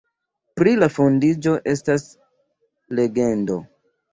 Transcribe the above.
Pri la fondiĝo estas legendo.